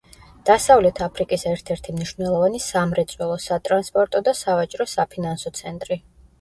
დასავლეთ აფრიკის ერთ-ერთი მნიშვნელოვანი სამრეწველო, სატრანსპორტო და სავაჭრო-საფინანსო ცენტრი.